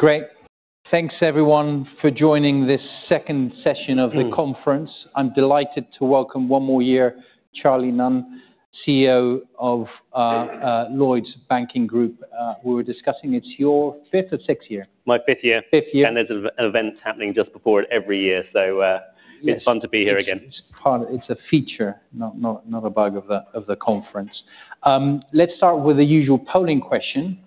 Great. Thanks everyone for joining this second session of the conference. I'm delighted to welcome one more year Charlie Nunn, CEO of Lloyds Banking Group. We were discussing it's your fifth or sixth year? My fifth year. Fifth year. There's events happening just before it every year. Yes. It's fun to be here again. It's a feature, not a bug of the conference. Let's start with the usual polling question.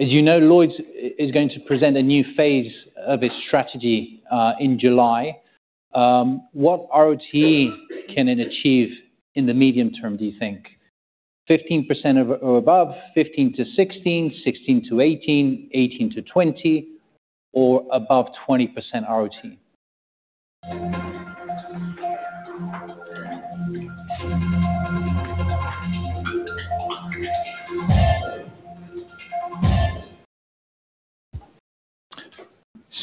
As you know, Lloyds is going to present a new phase of its strategy in July. What ROTE can it achieve in the medium term, do you think? 15% or above, 15-16%, 16-18%, 18-20%, or above 20%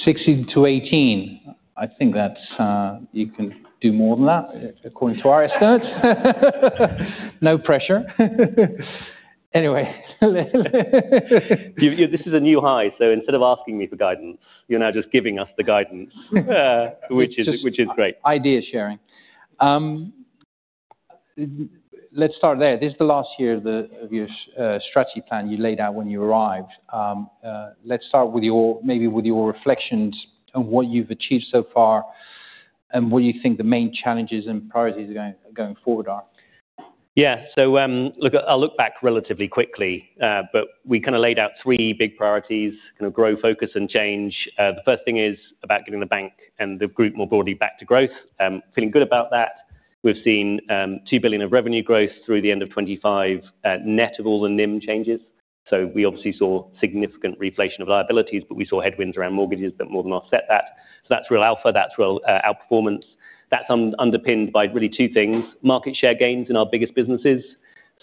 ROTE? 16-18%. I think that's, you can do more than that according to our estimates. No pressure. Anyway. You, this is a new high, so instead of asking me for guidance, you're now just giving us the guidance, which is great. Just idea sharing. Let's start there. This is the last year of your strategy plan you laid out when you arrived. Let's start with maybe with your reflections on what you've achieved so far and what you think the main challenges and priorities going forward are. Yeah. Look, I'll look back relatively quickly, but we kind of laid out three big priorities, you know, grow, focus, and change. The first thing is about getting the bank and the group more broadly back to growth. Feeling good about that. We've seen 2 billion of revenue growth through the end of 2025, net of all the NIM changes. We obviously saw significant reflation of liabilities, but we saw headwinds around mortgages that more than offset that. That's real alpha, that's real outperformance. That's underpinned by really two things, market share gains in our biggest businesses,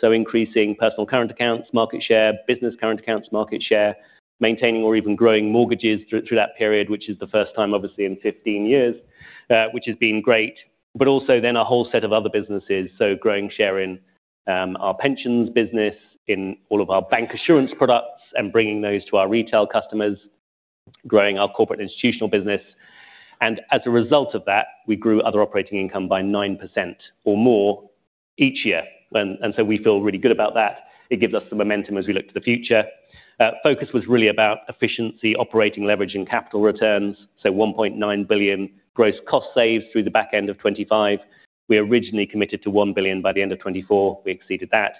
so increasing personal current accounts market share, business current accounts market share, maintaining or even growing mortgages through that period, which is the first time obviously in 15 years, which has been great, but also a whole set of other businesses, so growing share in our pensions business, in all of our bank assurance products and bringing those to our retail customers, growing our corporate institutional business. As a result of that, we grew other operating income by 9% or more each year. So we feel really good about that. It gives us the momentum as we look to the future. Focus was really about efficiency, operating leverage, and capital returns, so 1.9 billion gross cost saves through the back end of 2025. We originally committed to 1 billion by the end of 2024. We exceeded that.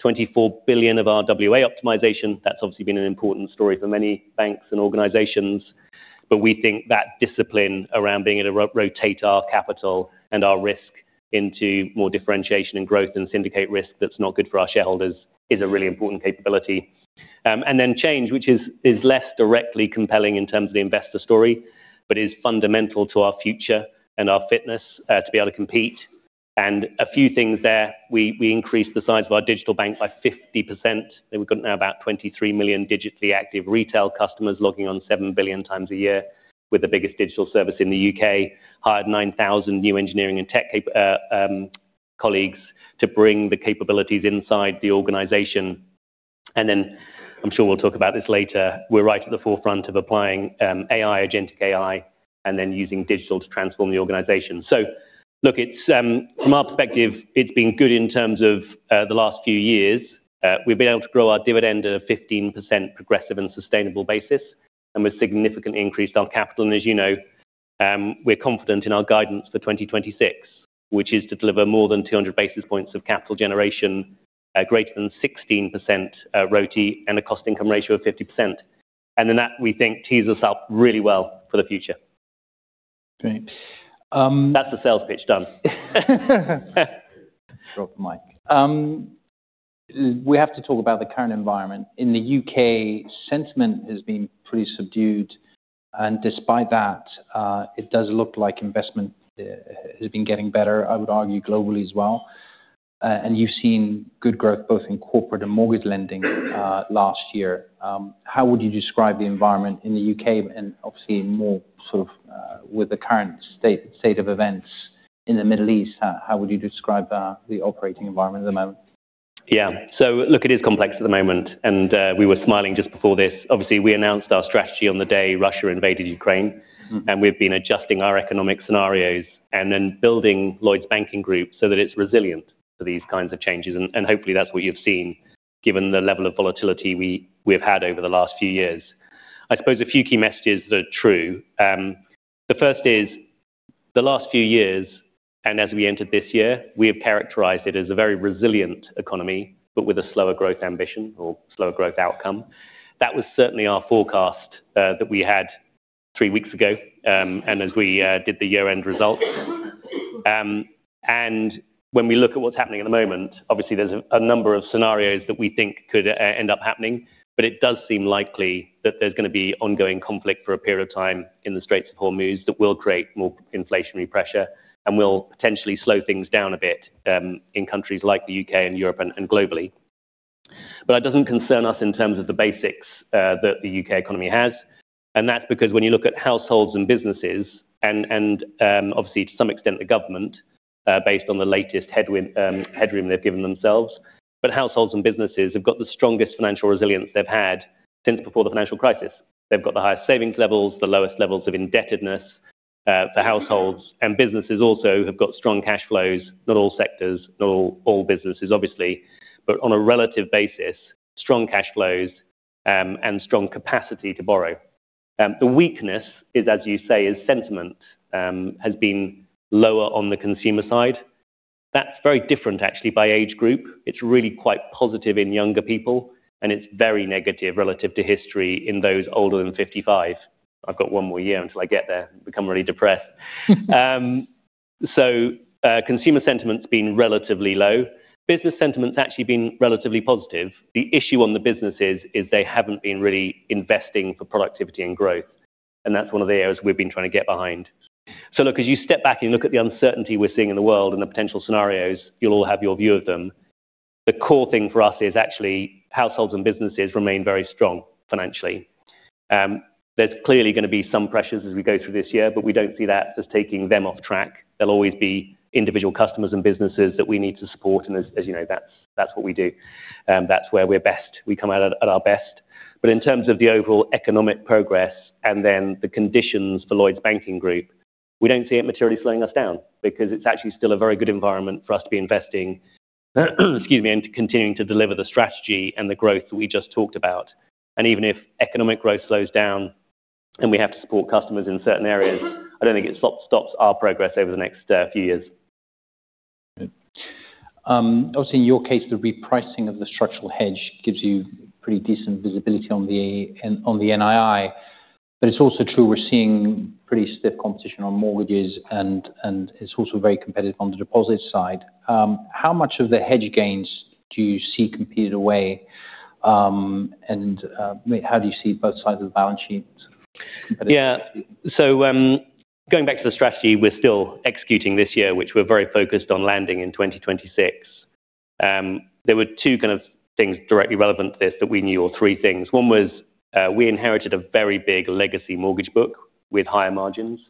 24 billion of our RWA optimization. That's obviously been an important story for many banks and organizations, but we think that discipline around being able to rotate our capital and our risk into more differentiation and growth and syndicate risk that's not good for our shareholders is a really important capability. Change, which is less directly compelling in terms of the investor story, but is fundamental to our future and our fitness to be able to compete. A few things there, we increased the size of our digital bank by 50%, and we've got now about 23 million digitally active retail customers logging on 7 billion times a year with the biggest digital service in the U.K., hired 9,000 new engineering and tech colleagues to bring the capabilities inside the organization. Then I'm sure we'll talk about this later. We're right at the forefront of applying AI, agentic AI, and then using digital to transform the organization. Look, it's from our perspective, it's been good in terms of the last few years. We've been able to grow our dividend at a 15% progressive and sustainable basis, and we've significantly increased our capital. As you know, we're confident in our guidance for 2026, which is to deliver more than 200 basis points of capital generation, greater than 16% ROTE, and a cost income ratio of 50%. That, we think, tees us up really well for the future. Great. That's the sales pitch done. Drop the mic. We have to talk about the current environment. In the U.K., sentiment has been pretty subdued, and despite that, it does look like investment has been getting better, I would argue globally as well. You've seen good growth both in corporate and mortgage lending last year. How would you describe the environment in the U.K. and obviously more sort of with the current state of events in the Middle East, how would you describe the operating environment at the moment? Yeah. Look, it is complex at the moment, and we were smiling just before this. Obviously, we announced our strategy on the day Russia invaded Ukraine. Mm-hmm. We've been adjusting our economic scenarios and then building Lloyds Banking Group so that it's resilient to these kinds of changes. Hopefully that's what you've seen given the level of volatility we've had over the last few years. I suppose a few key messages are true. The first is the last few years, and as we entered this year, we have characterized it as a very resilient economy, but with a slower growth ambition or slower growth outcome. That was certainly our forecast that we had three weeks ago, and as we did the year-end results. When we look at what's happening at the moment, obviously there's a number of scenarios that we think could end up happening, but it does seem likely that there's gonna be ongoing conflict for a period of time in the Straits of Hormuz that will create more inflationary pressure and will potentially slow things down a bit in countries like the U.K. and Europe and globally. That doesn't concern us in terms of the basics that the U.K. economy has, and that's because when you look at households and businesses and obviously to some extent the government, based on the latest headroom they've given themselves. Households and businesses have got the strongest financial resilience they've had since before the financial crisis. They've got the highest savings levels, the lowest levels of indebtedness for households, and businesses also have got strong cash flows, not all sectors, all businesses obviously, but on a relative basis, strong cash flows, and strong capacity to borrow. The weakness, as you say, is sentiment has been lower on the consumer side. That's very different actually by age group. It's really quite positive in younger people, and it's very negative relative to history in those older than 55. I've got one more year until I get there, become really depressed. Consumer sentiment's been relatively low. Business sentiment's actually been relatively positive. The issue on the businesses is they haven't been really investing for productivity and growth. That's one of the areas we've been trying to get behind. Look, as you step back and look at the uncertainty we're seeing in the world and the potential scenarios, you'll all have your view of them. The core thing for us is actually households and businesses remain very strong financially. There's clearly gonna be some pressures as we go through this year, but we don't see that as taking them off track. There'll always be individual customers and businesses that we need to support, and as you know, that's what we do. That's where we're best. We come out at our best. In terms of the overall economic progress and then the conditions for Lloyds Banking Group, we don't see it materially slowing us down because it's actually still a very good environment for us to be investing, excuse me, and continuing to deliver the strategy and the growth we just talked about. Even if economic growth slows down and we have to support customers in certain areas, I don't think it stops our progress over the next few years. Obviously in your case, the repricing of the structural hedge gives you pretty decent visibility on the NII. It's also true we're seeing pretty stiff competition on mortgages and it's also very competitive on the deposit side. How much of the hedge gains do you see competed away, and how do you see both sides of the balance sheets? Yeah, going back to the strategy we're still executing this year, which we're very focused on landing in 2026. There were two kind of things directly relevant to this that we knew or three things. One was, we inherited a very big legacy mortgage book with higher margins.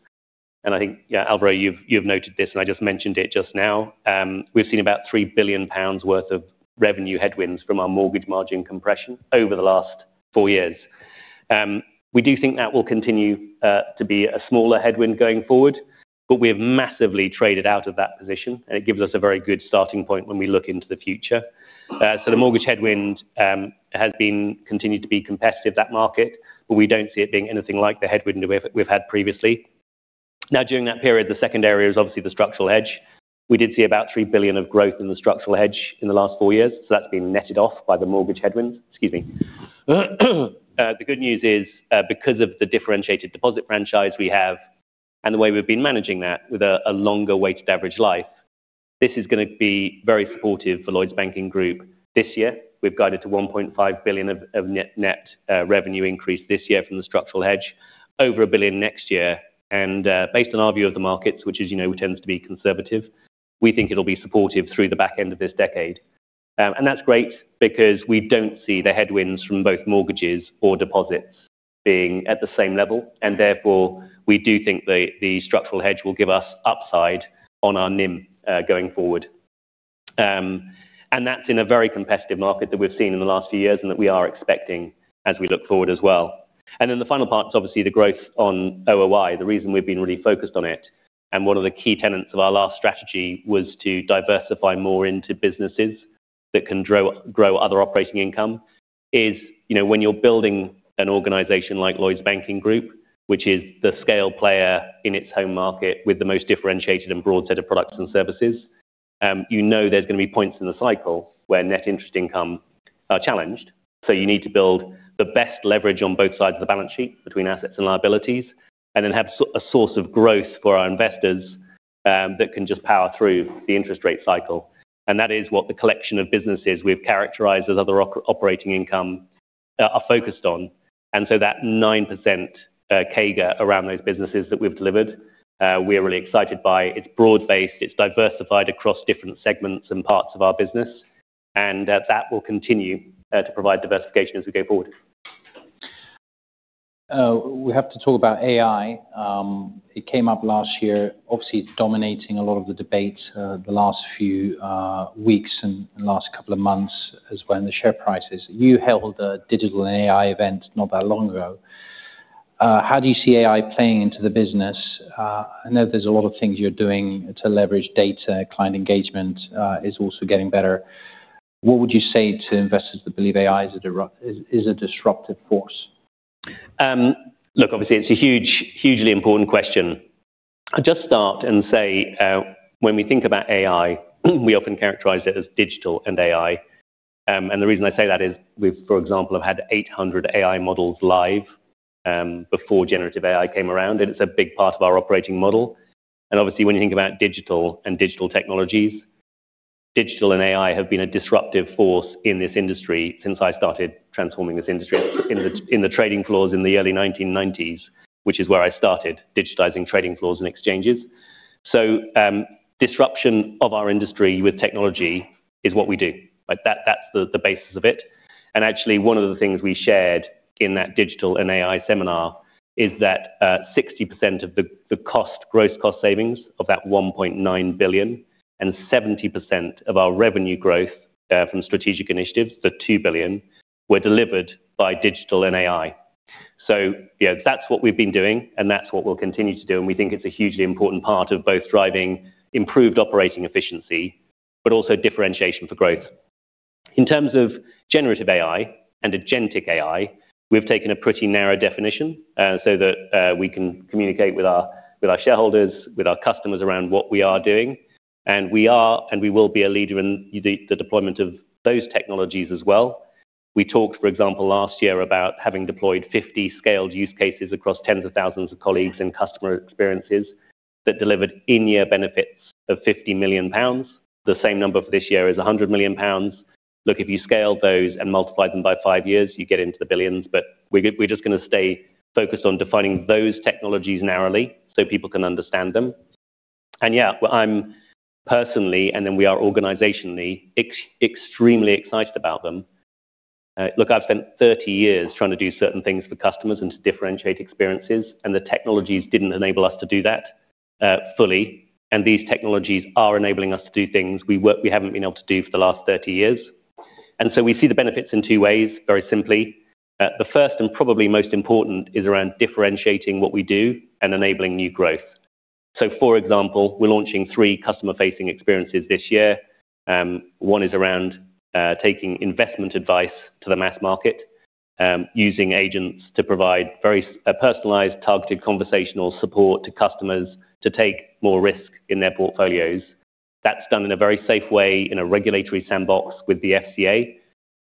I think, yeah, Alvaro, you've noted this, and I just mentioned it just now. We've seen about 3 billion pounds worth of revenue headwinds from our mortgage margin compression over the last four years. We do think that will continue to be a smaller headwind going forward, but we have massively traded out of that position, and it gives us a very good starting point when we look into the future. The mortgage headwind has continued to be competitive, that market, but we don't see it being anything like the headwind we've had previously. Now, during that period, the second area is obviously the structural hedge. We did see about 3 billion of growth in the structural hedge in the last four years. That's been netted off by the mortgage headwinds. The good news is, because of the differentiated deposit franchise we have and the way we've been managing that with a longer weighted average life, this is gonna be very supportive for Lloyds Banking Group this year. We've guided to 1.5 billion of net revenue increase this year from the structural hedge, over 1 billion next year. Based on our view of the markets, which as you know tends to be conservative, we think it'll be supportive through the back end of this decade. That's great because we don't see the headwinds from both mortgages or deposits being at the same level. Therefore, we do think the structural hedge will give us upside on our NIM going forward. That's in a very competitive market that we've seen in the last few years and that we are expecting as we look forward as well. Then the final part is obviously the growth on OOI. The reason we've been really focused on it, and one of the key tenets of our last strategy was to diversify more into businesses that can grow other operating income is, you know, when you're building an organization like Lloyds Banking Group, which is the scale player in its home market with the most differentiated and broad set of products and services, you know there's gonna be points in the cycle where net interest income are challenged. You need to build the best leverage on both sides of the balance sheet between assets and liabilities, and then have a source of growth for our investors, that can just power through the interest rate cycle. That is what the collection of businesses we've characterized as other operating income are focused on. That 9% CAGR around those businesses that we've delivered, we're really excited by. It's broad-based, it's diversified across different segments and parts of our business. That will continue to provide diversification as we go forward. We have to talk about AI. It came up last year. Obviously, it's dominating a lot of the debates the last few weeks and last couple of months as when the share prices. You held a digital and AI event not that long ago. How do you see AI playing into the business? I know there's a lot of things you're doing to leverage data, client engagement is also getting better. What would you say to investors that believe AI is a disruptive force? Look, obviously, it's a huge, hugely important question. I'll just start and say, when we think about AI, we often characterize it as digital and AI. The reason I say that is we've, for example, have had 800 AI models live, before generative AI came around, and it's a big part of our operating model. Obviously, when you think about digital and digital technologies, digital and AI have been a disruptive force in this industry since I started transforming this industry in the trading floors in the early 1990s, which is where I started digitizing trading floors and exchanges. Disruption of our industry with technology is what we do. Like, that's the basis of it. Actually, one of the things we shared in that digital and AI seminar is that 60% of the cost, gross cost savings of that 1.9 billion and 70% of our revenue growth from strategic initiatives, the 2 billion, were delivered by digital and AI. Yeah, that's what we've been doing, and that's what we'll continue to do, and we think it's a hugely important part of both driving improved operating efficiency but also differentiation for growth. In terms of generative AI and agentic AI, we've taken a pretty narrow definition, so that we can communicate with our shareholders, with our customers around what we are doing. We are, and we will be a leader in the deployment of those technologies as well. We talked, for example, last year about having deployed 50 scaled use cases across tens of thousands of colleagues and customer experiences that delivered in-year benefits of 50 million pounds. The same number for this year is 100 million pounds. Look, if you scale those and multiply them by five years, you get into the billions. We're just gonna stay focused on defining those technologies narrowly so people can understand them. Yeah, I'm personally, and then we are organizationally, extremely excited about them. Look, I've spent 30 years trying to do certain things for customers and to differentiate experiences, and the technologies didn't enable us to do that, fully. These technologies are enabling us to do things we haven't been able to do for the last 30 years. We see the benefits in two ways, very simply. The first and probably most important is around differentiating what we do and enabling new growth. For example, we're launching three customer-facing experiences this year. One is around taking investment advice to the mass market, using agents to provide very a personalized, targeted conversational support to customers to take more risk in their portfolios. That's done in a very safe way in a regulatory sandbox with the FCA.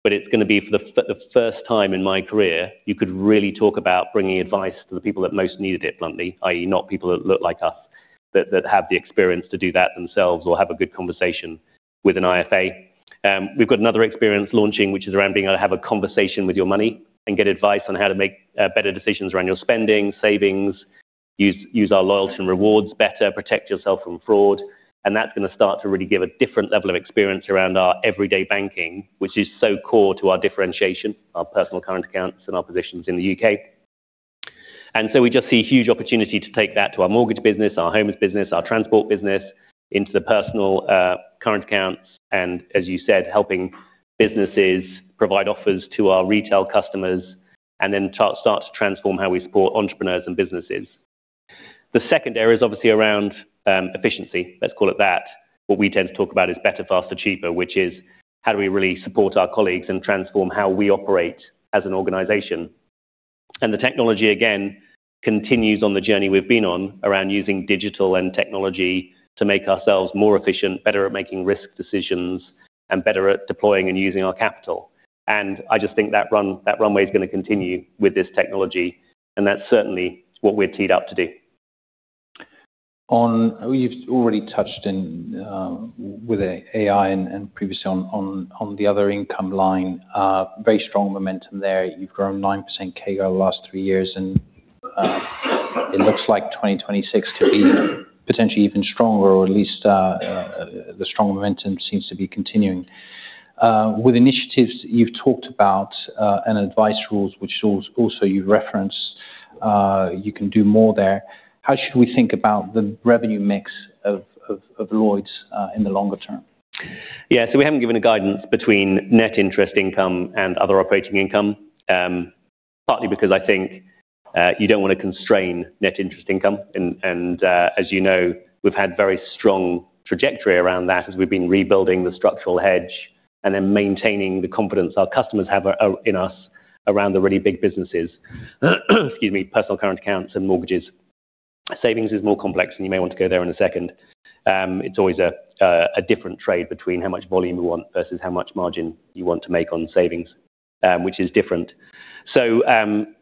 It's gonna be for the first time in my career you could really talk about bringing advice to the people that most needed it bluntly, i.e., not people that look like us, that have the experience to do that themselves or have a good conversation with an IFA. We've got another experience launching, which is around being able to have a conversation with your money and get advice on how to make better decisions around your spending, savings, use our loyalty and rewards better, protect yourself from fraud. That's gonna start to really give a different level of experience around our everyday banking, which is so core to our differentiation, our personal current accounts and our positions in the U.K. We just see huge opportunity to take that to our mortgage business, our homes business, our transport business, into the personal current accounts, and as you said, helping businesses provide offers to our retail customers and then start to transform how we support entrepreneurs and businesses. The second area is obviously around efficiency, let's call it that. What we tend to talk about is better, faster, cheaper, which is how do we really support our colleagues and transform how we operate as an organization. The technology again continues on the journey we've been on around using digital and technology to make ourselves more efficient, better at making risk decisions, and better at deploying and using our capital. I just think that runway is gonna continue with this technology, and that's certainly what we're teed up to do. You've already touched on, with AI and previously on the other income line, very strong momentum there. You've grown 9% CAGR the last three years, and it looks like 2026 could be potentially even stronger or at least the strong momentum seems to be continuing. With initiatives you've talked about and advice rules, which also you reference, you can do more there. How should we think about the revenue mix of Lloyds in the longer term? Yeah. We haven't given a guidance between net interest income and other operating income, partly because I think you don't wanna constrain net interest income. As you know, we've had very strong trajectory around that as we've been rebuilding the structural hedge and then maintaining the confidence our customers have in us around the really big businesses. Excuse me. Personal current accounts and mortgages. Savings is more complex, and you may want to go there in a second. It's always a different trade between how much volume you want versus how much margin you want to make on savings, which is different.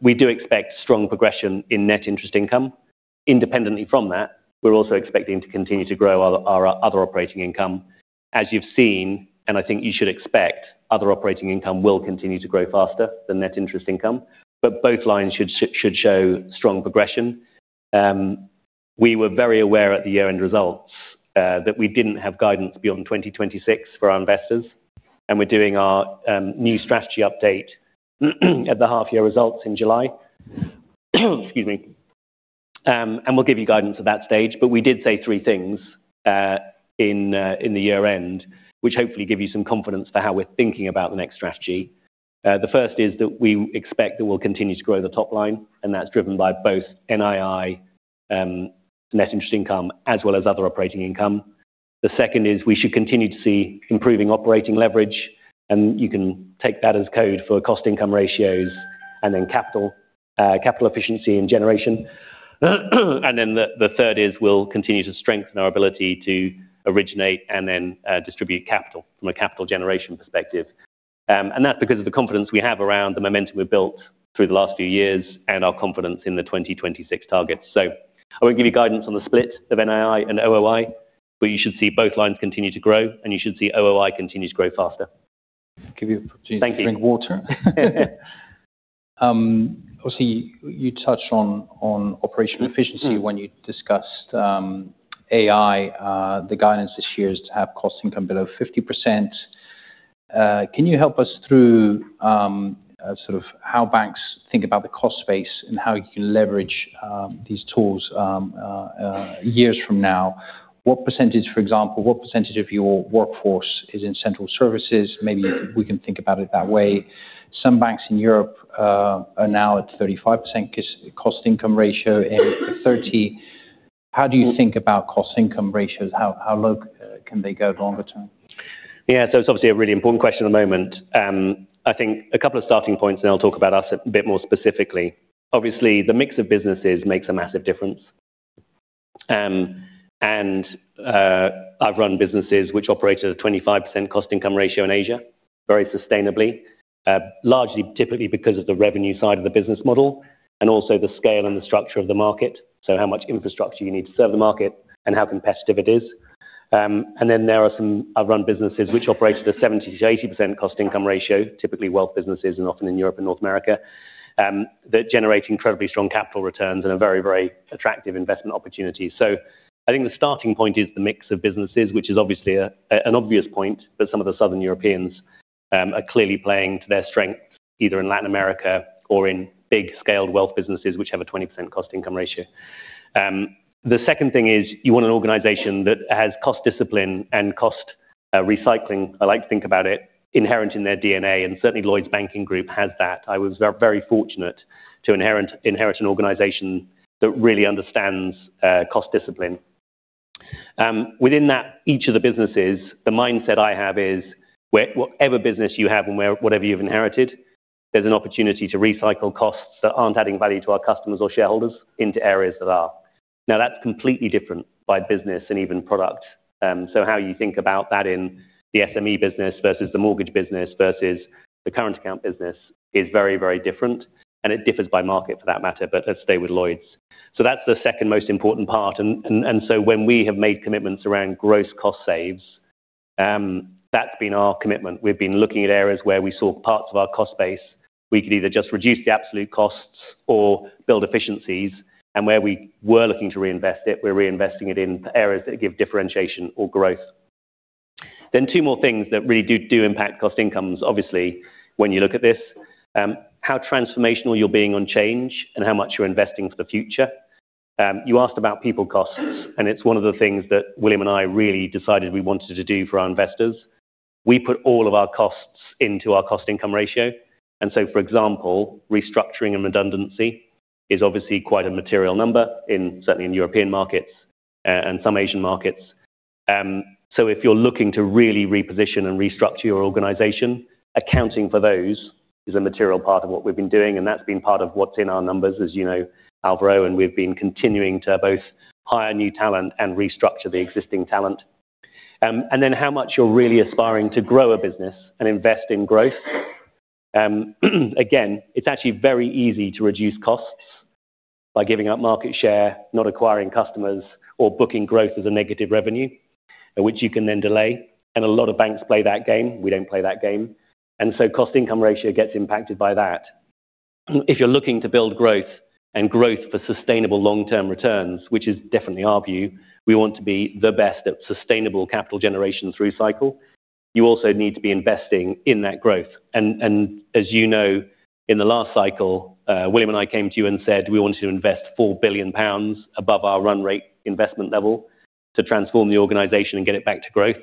We do expect strong progression in net interest income. Independently from that, we're also expecting to continue to grow our other operating income. As you've seen, and I think you should expect, other operating income will continue to grow faster than net interest income. Both lines should show strong progression. We were very aware at the year-end results that we didn't have guidance beyond 2026 for our investors, and we're doing our new strategy update at the half year results in July. We'll give you guidance at that stage. We did say three things in the year-end, which hopefully give you some confidence for how we're thinking about the next strategy. The first is that we expect that we'll continue to grow the top line, and that's driven by both NII, net interest income, as well as other operating income. The second is we should continue to see improving operating leverage, and you can take that as code for cost income ratios and then capital efficiency and generation. The third is we'll continue to strengthen our ability to originate and then distribute capital from a capital generation perspective. That's because of the confidence we have around the momentum we've built through the last few years and our confidence in the 2026 targets. I won't give you guidance on the split of NII and OOI, but you should see both lines continue to grow and you should see OOI continue to grow faster. Give you- Thank you. Drink water. Obviously you touched on operational efficiency when you discussed AI. The guidance this year is to have cost income below 50%. Can you help us through sort of how banks think about the cost base and how you can leverage these tools years from now? What percentage, for example, what percentage of your workforce is in central services? Maybe we can think about it that way. Some banks in Europe are now at 35% cost income ratio in 2030. How do you think about cost income ratios? How low can they go longer term? It's obviously a really important question at the moment. I think a couple of starting points, and I'll talk about us a bit more specifically. Obviously, the mix of businesses makes a massive difference. I've run businesses which operate at a 25% cost income ratio in Asia very sustainably. Largely, typically because of the revenue side of the business model and also the scale and the structure of the market. How much infrastructure you need to serve the market and how competitive it is. There are some I've run businesses which operate at a 70%-80% cost income ratio, typically wealth businesses and often in Europe and North America, that generate incredibly strong capital returns and are very, very attractive investment opportunities. I think the starting point is the mix of businesses, which is obviously an obvious point, but some of the Southern Europeans are clearly playing to their strengths, either in Latin America or in big scaled wealth businesses, which have a 20% cost income ratio. The second thing is you want an organization that has cost discipline and cost recycling, I like to think about it, inherent in their DNA, and certainly Lloyds Banking Group has that. I was very fortunate to inherit an organization that really understands cost discipline. Within that, each of the businesses, the mindset I have is whatever business you have and whatever you've inherited, there's an opportunity to recycle costs that aren't adding value to our customers or shareholders into areas that are. Now, that's completely different by business and even product. How you think about that in the SME business versus the mortgage business versus the current account business is very, very different, and it differs by market for that matter, but let's stay with Lloyds. That's the second most important part. When we have made commitments around gross cost saves, that's been our commitment. We've been looking at areas where we saw parts of our cost base. We could either just reduce the absolute costs or build efficiencies. Where we were looking to reinvest it, we're reinvesting it in areas that give differentiation or growth. Two more things that really do impact cost/income ratios. Obviously, when you look at this, how transformational you're being on change and how much you're investing for the future. You asked about people costs, and it's one of the things that William and I really decided we wanted to do for our investors. We put all of our costs into our cost income ratio. For example, restructuring and redundancy is obviously quite a material number in certainly in European markets, and some Asian markets. If you're looking to really reposition and restructure your organization, accounting for those is a material part of what we've been doing, and that's been part of what's in our numbers, as you know, Alvaro, and we've been continuing to both hire new talent and restructure the existing talent. How much you're really aspiring to grow a business and invest in growth. Again, it's actually very easy to reduce costs by giving up market share, not acquiring customers, or booking growth as a negative revenue, which you can then delay. A lot of banks play that game. We don't play that game. Cost income ratio gets impacted by that. If you're looking to build growth and growth for sustainable long-term returns, which is definitely our view, we want to be the best at sustainable capital generation through cycle. You also need to be investing in that growth. As you know, in the last cycle, William Chalmers and I came to you and said we wanted to invest 4 billion pounds above our run rate investment level to transform the organization and get it back to growth.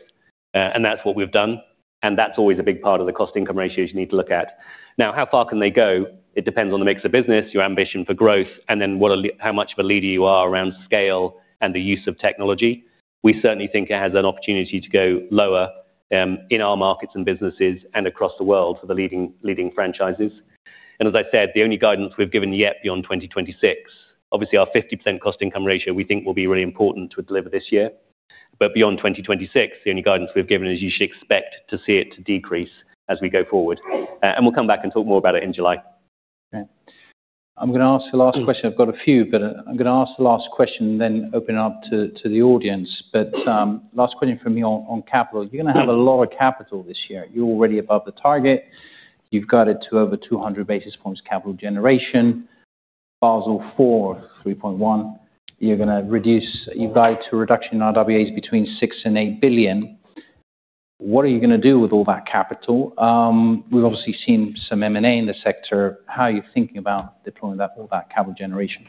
That's what we've done. That's always a big part of the cost income ratios you need to look at. Now, how far can they go? It depends on the mix of business, your ambition for growth, and then how much of a leader you are around scale and the use of technology. We certainly think it has an opportunity to go lower, in our markets and businesses and across the world for the leading franchises. As I said, the only guidance we've given yet beyond 2026, obviously our 50% cost income ratio we think will be really important to deliver this year. Beyond 2026, the only guidance we've given is you should expect to see it to decrease as we go forward. We'll come back and talk more about it in July. Okay. I'm gonna ask the last question. I've got a few, but I'm gonna ask the last question, then open it up to the audience. Last question from me on capital. You're gonna have a lot of capital this year. You're already above the target. You've got it to over 200 basis points capital generation. Basel 3.1, 3.1. You've guided to a reduction in RWAs between 6-8 billion. What are you gonna do with all that capital? We've obviously seen some M&A in the sector. How are you thinking about deploying that, all that capital generation?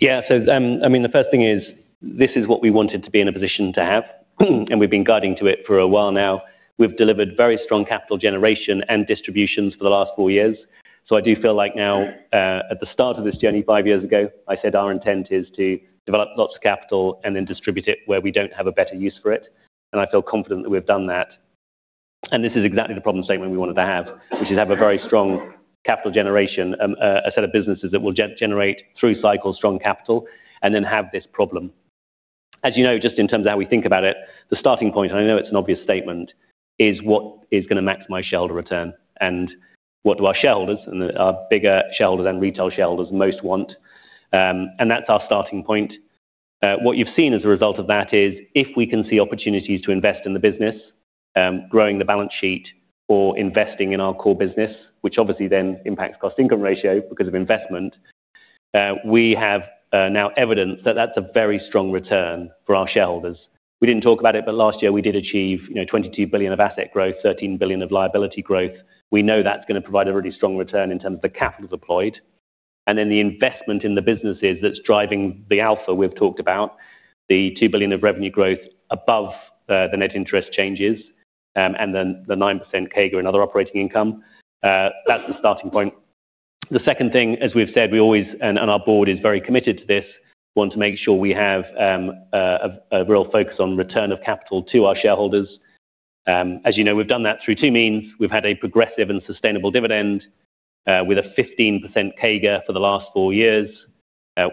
Yeah. I mean, the first thing is this is what we wanted to be in a position to have, and we've been guiding to it for a while now. We've delivered very strong capital generation and distributions for the last four years. I do feel like now, at the start of this journey five years ago, I said our intent is to develop lots of capital and then distribute it where we don't have a better use for it. I feel confident that we've done that. This is exactly the problem statement we wanted to have, which is have a very strong capital generation, a set of businesses that will generate through cycle strong capital and then have this problem. As you know, just in terms of how we think about it, the starting point, and I know it's an obvious statement, is what is gonna maximize shareholder return and what do our shareholders and our bigger shareholders and retail shareholders most want. That's our starting point. What you've seen as a result of that is if we can see opportunities to invest in the business, growing the balance sheet or investing in our core business, which obviously then impacts cost-income ratio because of investment, we have now evidence that that's a very strong return for our shareholders. We didn't talk about it, but last year we did achieve, you know, 22 billion of asset growth, 13 billion of liability growth. We know that's gonna provide a really strong return in terms of the capital deployed. The investment in the businesses that's driving the alpha we've talked about, the 2 billion of revenue growth above the net interest changes, and then the 9% CAGR in other operating income. That's the starting point. The second thing, as we've said, we always and our board is very committed to this, want to make sure we have a real focus on return of capital to our shareholders. As you know, we've done that through two means. We've had a progressive and sustainable dividend with a 15% CAGR for the last four years.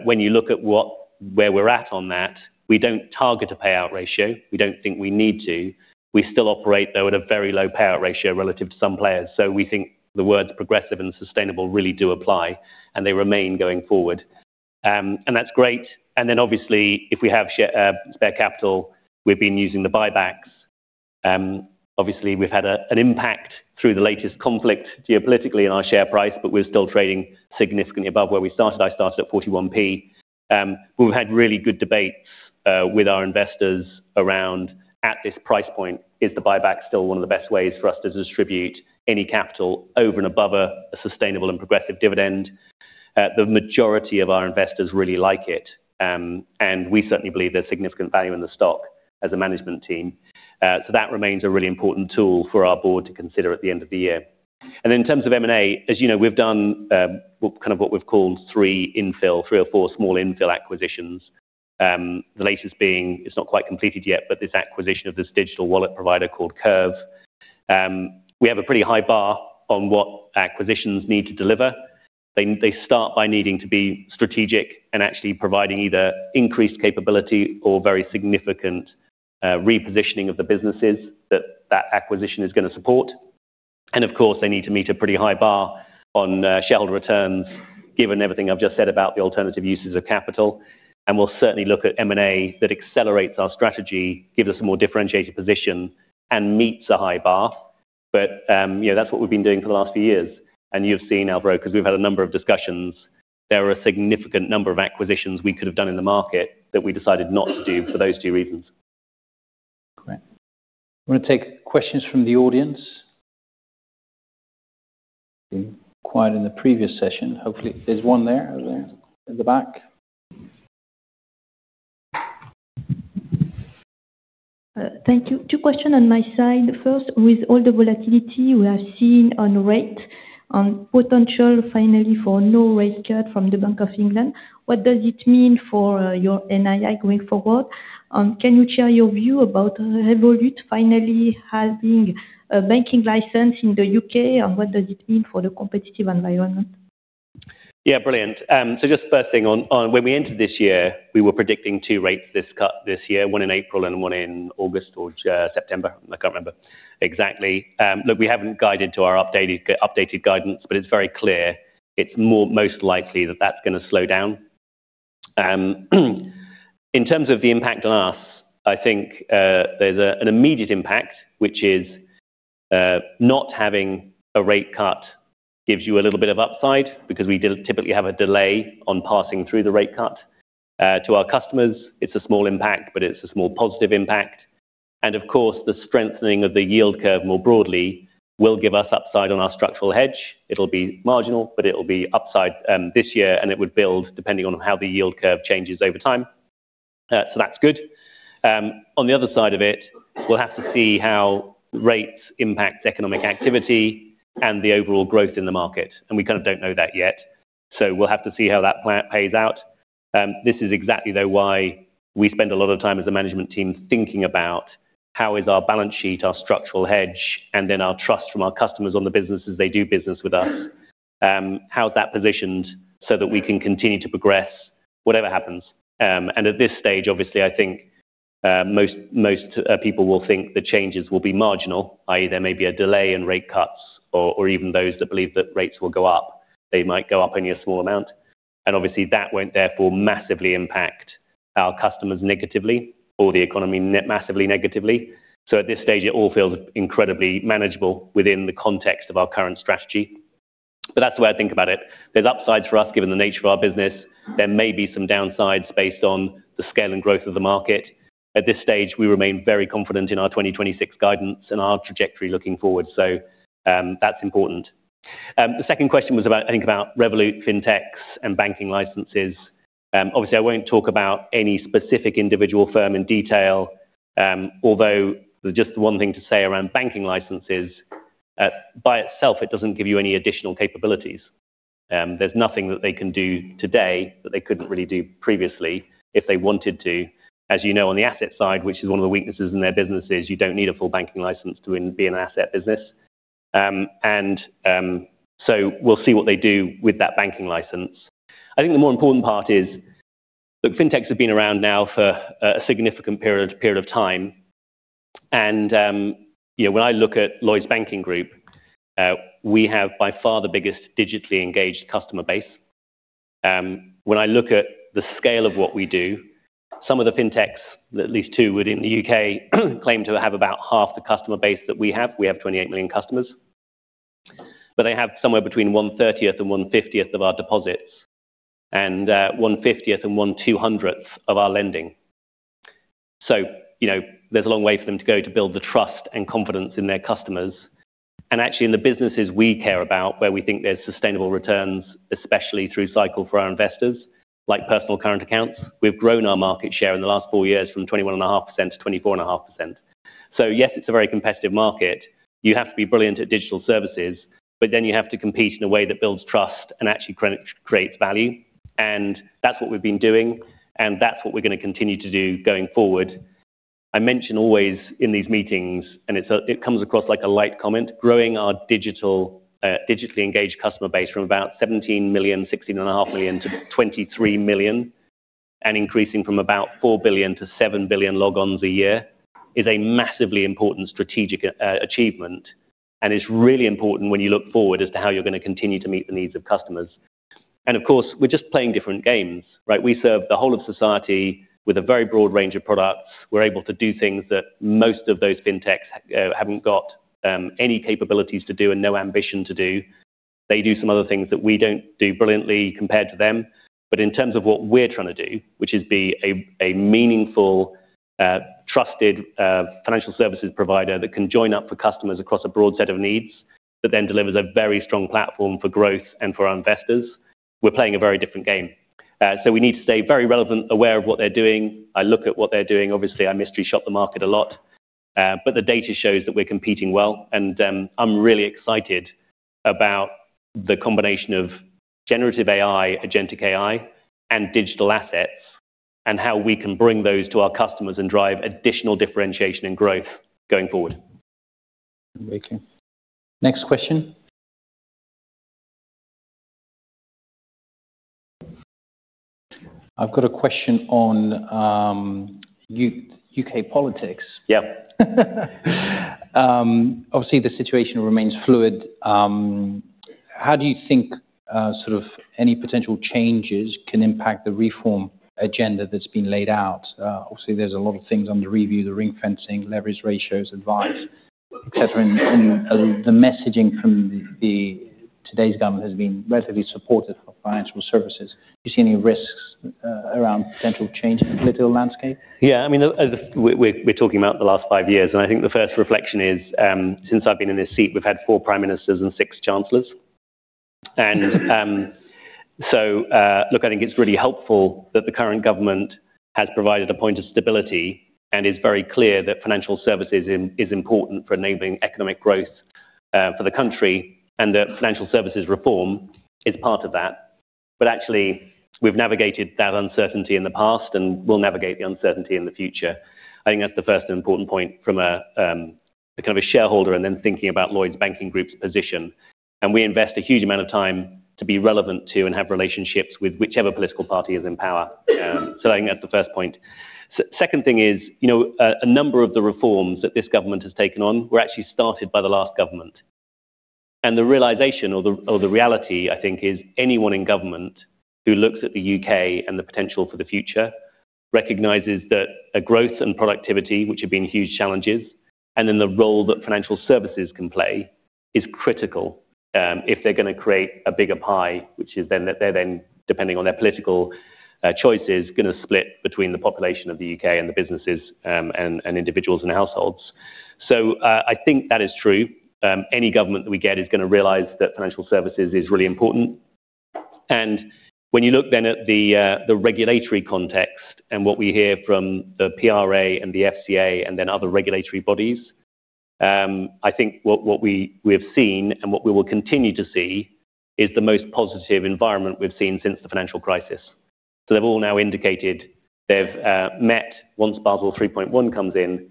When you look at where we're at on that, we don't target a payout ratio. We don't think we need to. We still operate, though, at a very low payout ratio relative to some players. We think the words progressive and sustainable really do apply, and they remain going forward. That's great. Obviously, if we have spare capital, we've been using the buybacks. Obviously, we've had an impact through the latest conflict geopolitically in our share price, but we're still trading significantly above where we started. I started at 41p. We've had really good debates with our investors around at this price point, is the buyback still one of the best ways for us to distribute any capital over and above a sustainable and progressive dividend? The majority of our investors really like it. We certainly believe there's significant value in the stock as a management team. That remains a really important tool for our board to consider at the end of the year. In terms of M&A, as you know, we've done kind of what we've called three infill, three or four small infill acquisitions. The latest being, it's not quite completed yet, but this acquisition of this digital wallet provider called Curve. We have a pretty high bar on what acquisitions need to deliver. They start by needing to be strategic and actually providing either increased capability or very significant repositioning of the businesses that that acquisition is gonna support. Of course, they need to meet a pretty high bar on shareholder returns, given everything I've just said about the alternative uses of capital. We'll certainly look at M&A that accelerates our strategy, gives us a more differentiated position and meets a high bar. You know, that's what we've been doing for the last few years. You've seen, Alvaro, 'cause we've had a number of discussions. There are a significant number of acquisitions we could have done in the market that we decided not to do for those two reasons. Great. I'm gonna take questions from the audience. Quiet in the previous session. Hopefully. There's one there at the back. Thank you. Two questions on my side. First, with all the volatility we have seen on rate, on potential finally for no rate cut from the Bank of England, what does it mean for your NII going forward? Can you share your view about Revolut finally having a banking license in the U.K., and what does it mean for the competitive environment? Yeah, brilliant. So just first thing on when we entered this year, we were predicting two rate cuts this year, one in April and one in August or September. I can't remember exactly. Look, we haven't guided to our updated guidance, but it's very clear it's most likely that that's gonna slow down. In terms of the impact on us, I think there's an immediate impact, which is not having a rate cut gives you a little bit of upside because we typically have a delay on passing through the rate cut to our customers. It's a small impact, but it's a small positive impact. Of course, the strengthening of the yield curve more broadly will give us upside on our structural hedge. It'll be marginal, but it'll be upside this year, and it would build depending on how the yield curve changes over time. That's good. On the other side of it, we'll have to see how rates impact economic activity and the overall growth in the market, and we kind of don't know that yet. We'll have to see how that pays out. This is exactly, though, why we spend a lot of time as a management team thinking about how is our balance sheet, our structural hedge, and then our trust from our customers on the businesses they do business with us, how is that positioned so that we can continue to progress whatever happens. At this stage, obviously, I think most people will think the changes will be marginal, i.e., there may be a delay in rate cuts or even those that believe that rates will go up, they might go up only a small amount. Obviously, that won't therefore massively impact our customers negatively or the economy massively negatively. At this stage, it all feels incredibly manageable within the context of our current strategy. That's the way I think about it. There's upsides for us, given the nature of our business. There may be some downsides based on the scale and growth of the market. At this stage, we remain very confident in our 2026 guidance and our trajectory looking forward. That's important. The second question was about, I think, Revolut, fintechs and banking licenses. Obviously, I won't talk about any specific individual firm in detail, although there's just one thing to say around banking licenses. By itself, it doesn't give you any additional capabilities. There's nothing that they can do today that they couldn't really do previously if they wanted to. As you know, on the asset side, which is one of the weaknesses in their businesses, you don't need a full banking license to be an asset business. We'll see what they do with that banking license. I think the more important part is, look, Fintechs have been around now for a significant period of time. You know, when I look at Lloyds Banking Group, we have by far the biggest digitally engaged customer base. When I look at the scale of what we do, some of the fintechs, at least two within the U.K., claim to have about half the customer base that we have. We have 28 million customers. They have somewhere between 1/30th and 1/50th of our deposits and 1/50th and 1/200th of our lending. You know, there's a long way for them to go to build the trust and confidence in their customers. Actually in the businesses we care about where we think there's sustainable returns, especially through cycle for our investors, like personal current accounts, we've grown our market share in the last four years from 21.5%-24.5%. Yes, it's a very competitive market. You have to be brilliant at digital services, but then you have to compete in a way that builds trust and actually creates value. That's what we've been doing, and that's what we're going to continue to do going forward. I mention always in these meetings, and it's a, it comes across like a light comment, growing our digital, digitally engaged customer base from about 17 million, 16.5 million-23 million and increasing from about 4 billion-7 billion logons a year is a massively important strategic achievement. It's really important when you look forward as to how you're going to continue to meet the needs of customers. Of course, we're just playing different games, right? We serve the whole of society with a very broad range of products. We're able to do things that most of those fintechs haven't got any capabilities to do and no ambition to do. They do some other things that we don't do brilliantly compared to them. In terms of what we're trying to do, which is be a meaningful trusted financial services provider that can join up for customers across a broad set of needs, but then delivers a very strong platform for growth and for our investors, we're playing a very different game. We need to stay very relevant, aware of what they're doing. I look at what they're doing. Obviously, I mystery shop the market a lot. The data shows that we're competing well, and I'm really excited about the combination of generative AI, agentic AI, and digital assets, and how we can bring those to our customers and drive additional differentiation and growth going forward. Amazing. Next question. I've got a question on, U.K. politics. Yeah. Obviously the situation remains fluid. How do you think sort of any potential changes can impact the reform agenda that's been laid out? Obviously there's a lot of things under review, the ring-fencing, leverage ratios, advice, et cetera. The messaging from today's government has been relatively supportive of financial services. Do you see any risks around potential change in the political landscape? Yeah. I mean, we're talking about the last five years, and I think the first reflection is, since I've been in this seat, we've had four prime ministers and six chancellors. Look, I think it's really helpful that the current government has provided a point of stability and is very clear that financial services is important for enabling economic growth, for the country, and that financial services reform is part of that. Actually, we've navigated that uncertainty in the past and will navigate the uncertainty in the future. I think that's the first important point from a kind of a shareholder and then thinking about Lloyds Banking Group's position. We invest a huge amount of time to be relevant to and have relationships with whichever political party is in power. I think that's the first point. Second thing is, you know, a number of the reforms that this government has taken on were actually started by the last government. The realization or the reality, I think, is anyone in government who looks at the U.K. and the potential for the future recognizes that growth and productivity, which have been huge challenges, and then the role that financial services can play is critical if they're going to create a bigger pie, which is then they're then depending on their political choices going to split between the population of the U.K. and the businesses and individuals and households. I think that is true. Any government that we get is going to realize that financial services is really important. When you look then at the regulatory context and what we hear from the PRA and the FCA and then other regulatory bodies, I think what we have seen and what we will continue to see is the most positive environment we've seen since the financial crisis. They've all now indicated they've met once Basel 3.1 comes in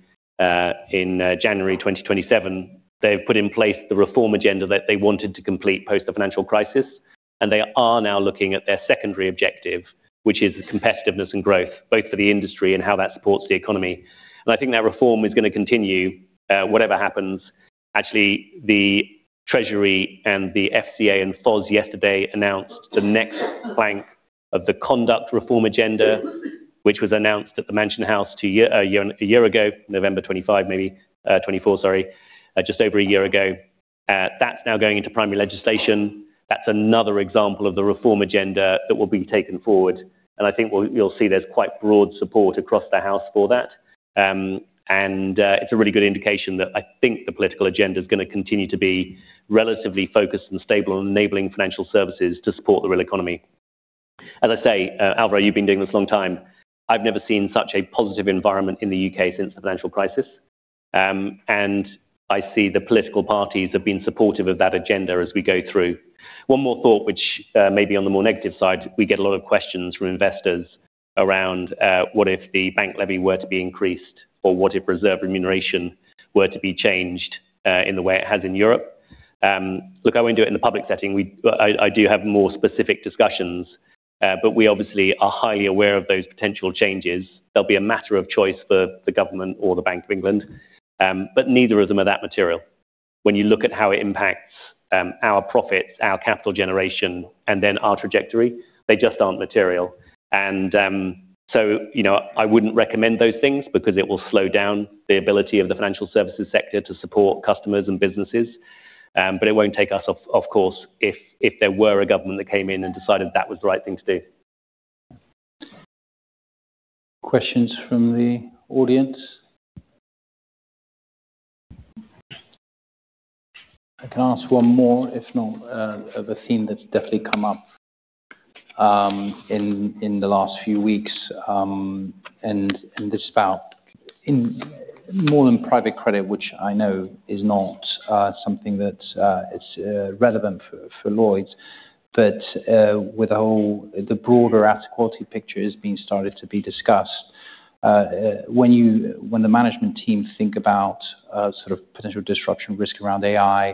in January 2027. They've put in place the reform agenda that they wanted to complete post the financial crisis, and they are now looking at their secondary objective, which is the competitiveness and growth, both for the industry and how that supports the economy. I think that reform is going to continue whatever happens. Actually, the Treasury and the FCA and FOS yesterday announced the next phase of the conduct reform agenda, which was announced at the Mansion House a year ago, November 2024, just over a year ago. That's now going into primary legislation. That's another example of the reform agenda that will be taken forward. I think you'll see there's quite broad support across the house for that. It's a really good indication that I think the political agenda is going to continue to be relatively focused and stable on enabling financial services to support the real economy. As I say, Alvaro, you've been doing this a long time. I've never seen such a positive environment in the U.K. since the financial crisis. I see the political parties have been supportive of that agenda as we go through. One more thought which may be on the more negative side. We get a lot of questions from investors around what if the Bank Levy were to be increased or what if reserve remuneration were to be changed in the way it has in Europe. Look, I won't do it in the public setting. But I do have more specific discussions, but we obviously are highly aware of those potential changes. They'll be a matter of choice for the government or the Bank of England, but neither of them are that material. When you look at how it impacts our profits, our capital generation, and then our trajectory, they just aren't material. You know, I wouldn't recommend those things because it will slow down the ability of the financial services sector to support customers and businesses, but it won't take us off course if there were a government that came in and decided that was the right thing to do. Questions from the audience. I can ask one more, if not, of a theme that's definitely come up in the last few weeks and in this spot. In more than private credit, which I know is not something that is relevant for Lloyds, but with the broader asset quality picture has started to be discussed. When the management team think about sort of potential disruption risk around AI,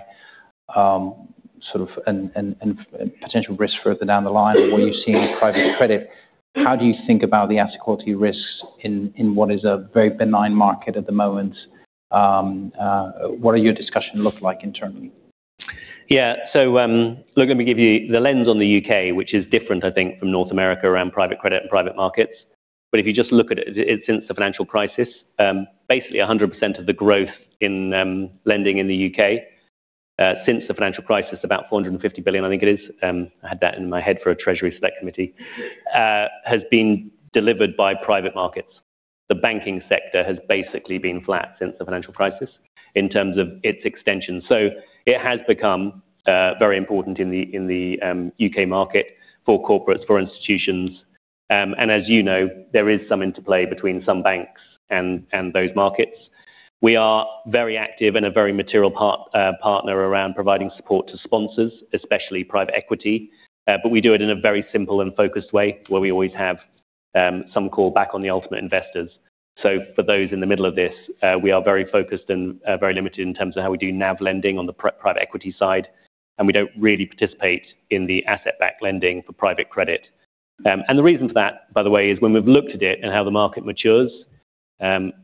sort of and potential risk further down the line of what you see in private credit, how do you think about the asset quality risks in what is a very benign market at the moment. What are your discussions look like internally? Yeah. Look, let me give you the lens on the U.K., which is different, I think, from North America around private credit and private markets. If you just look at it's since the financial crisis, basically 100% of the growth in lending in the U.K. since the financial crisis, about 450 billion, I think it is, I had that in my head for a Treasury Select Committee, has been delivered by private markets. The banking sector has basically been flat since the financial crisis in terms of its extension. It has become very important in the U.K. market for corporates, for institutions. As you know, there is some interplay between some banks and those markets. We are very active and a very material partner around providing support to sponsors, especially private equity. We do it in a very simple and focused way where we always have some call back on the ultimate investors. For those in the middle of this, we are very focused and very limited in terms of how we do NAV lending on the private equity side, and we don't really participate in the asset-backed lending for private credit. The reason for that, by the way, is when we've looked at it and how the market matures,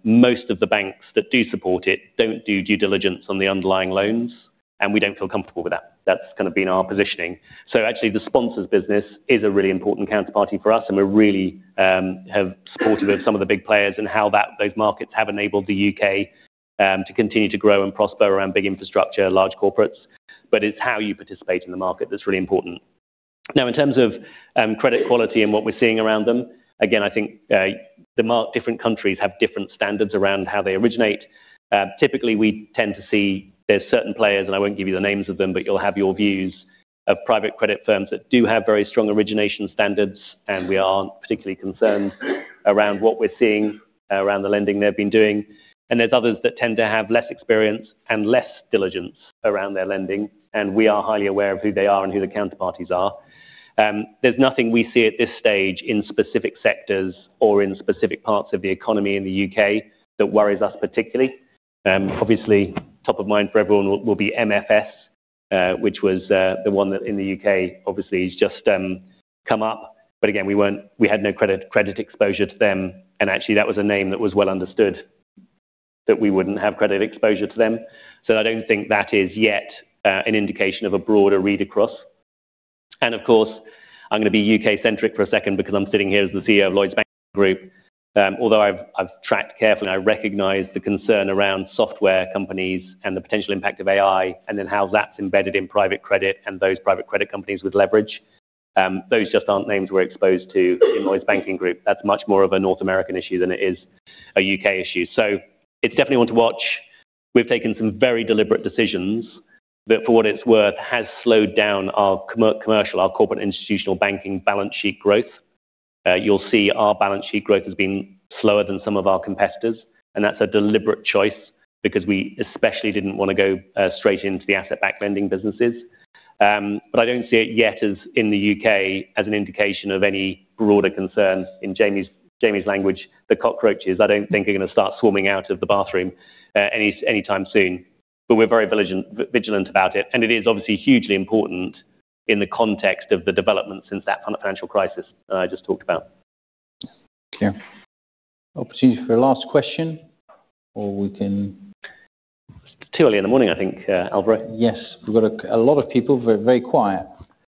most of the banks that do support it don't do due diligence on the underlying loans, and we don't feel comfortable with that. That's kind of been our positioning. Actually the sponsors business is a really important counterparty for us, and we're really have supported with some of the big players and how those markets have enabled the U.K. to continue to grow and prosper around big infrastructure, large corporates. It's how you participate in the market that's really important. Now, in terms of credit quality and what we're seeing around them, again, I think different countries have different standards around how they originate. Typically, we tend to see there's certain players, and I won't give you the names of them, but you'll have your views of private credit firms that do have very strong origination standards, and we aren't particularly concerned around what we're seeing around the lending they've been doing. There's others that tend to have less experience and less diligence around their lending, and we are highly aware of who they are and who the counterparties are. There's nothing we see at this stage in specific sectors or in specific parts of the economy in the U.K. that worries us particularly. Obviously, top of mind for everyone will be MFS, which was the one that in the U.K. obviously has just come up. But again, we had no credit exposure to them. Actually, that was a name that was well understood that we wouldn't have credit exposure to them. I don't think that is yet an indication of a broader read across. Of course, I'm going to be U.K.-centric for a second because I'm sitting here as the CEO of Lloyds Banking Group. Although I've tracked carefully, and I recognize the concern around software companies and the potential impact of AI and then how that's embedded in private credit and those private credit companies with leverage. Those just aren't names we're exposed to in Lloyds Banking Group. That's much more of a North American issue than it is a U.K. issue. It's definitely one to watch. We've taken some very deliberate decisions that, for what it's worth, has slowed down our commercial, our corporate institutional banking balance sheet growth. You'll see our balance sheet growth has been slower than some of our competitors, and that's a deliberate choice because we especially didn't wanna go straight into the asset-backed lending businesses. I don't see it yet as in the U.K. as an indication of any broader concerns. In Jamie's language, the cockroaches I don't think are going to start swarming out of the bathroom anytime soon. We're very vigilant about it, and it is obviously hugely important in the context of the development since that financial crisis that I just talked about. Okay. Opportunity for a last question or we can. It's too early in the morning, I think, Alvaro. Yes. We've got a lot of people very quiet.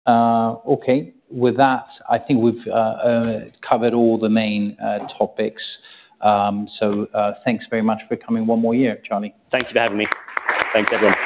Okay. With that, I think we've covered all the main topics. Thanks very much for coming one more year, Charlie. Thank you for having me. Thank you, everyone.